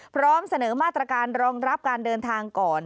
พร้อมเสนอมาตรการรองรับการเดินทางก่อน